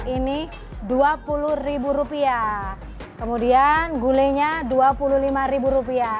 ini dua puluh rupiah kemudian gulenya dua puluh lima rupiah